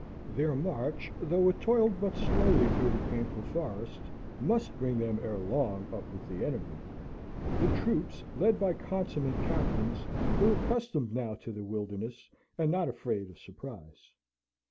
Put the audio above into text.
Their march, though it toiled but slowly through the painful forest, must bring them ere long up with the enemy; the troops, led by consummate captains, were accustomed now to the wilderness, and not afraid of surprise.